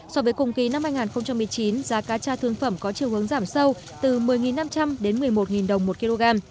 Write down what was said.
so với cùng kỳ năm hai nghìn một mươi chín giá cá cha thương phẩm có chiều hướng giảm sâu từ một mươi năm trăm linh đến một mươi một đồng một kg